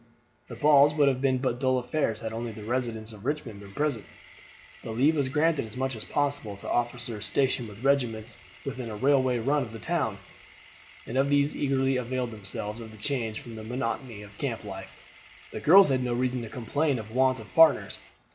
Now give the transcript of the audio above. The balls would have been but dull affairs had only the residents of Richmond been present; but leave was granted as much as possible to officers stationed with regiments within a railway run of the town, and as these eagerly availed themselves of the change from the monotony of camp life, the girls had no reason to complain of want of partners.